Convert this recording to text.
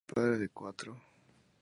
Marcus Eaton es el padre de Cuatro.